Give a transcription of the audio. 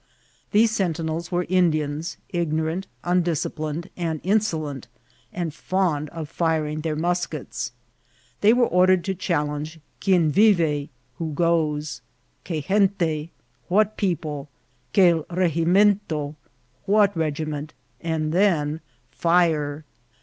These sen tinels were Indians, ignoorant, undisciplined, and inso lent, and fond of firing their muskets. They were or dered to challenge <<Quien Vive?" <<Who goes?" « Que gente ?"" What people ?"" Quel £egimento ?"<< What regiment ?" and then fiire.